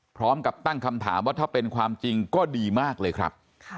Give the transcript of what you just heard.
พร้อมกับตั้งคำถามว่าถ้าเป็นความจริงก็ดีมากเลยครับ